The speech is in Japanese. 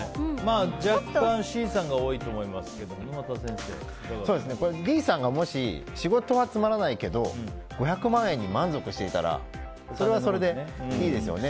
若干Ｃさんが多いと思いますがＤさんがもし仕事はつまらないけど５００万に満足していたらそれはそれでいいですよね。